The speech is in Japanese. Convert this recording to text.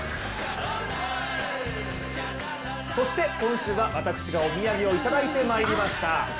そして今週は私がお土産をいただいてまいりました。